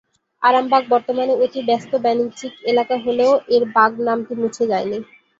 আরামবাগ বর্তমানের অতি ব্যস্ত বাণিজ্যিক এলাকা হলেও এর বাগ নামটি মুছে যায়নি।